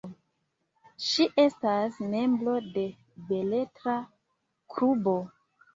Ŝi estas membro de beletra klubo.